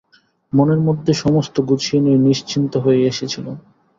মনের মধ্যে সমস্ত গুছিয়ে নিয়ে নিশ্চিন্ত হয়েই এসেছিলুম।